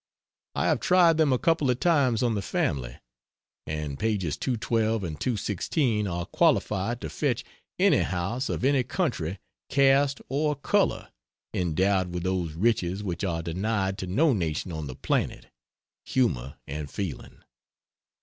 I have tried them a couple of times on the family, and pages 212 and 216 are qualified to fetch any house of any country, caste or color, endowed with those riches which are denied to no nation on the planet humor and feeling.